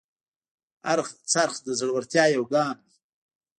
هر خرڅ د زړورتیا یو ګام دی.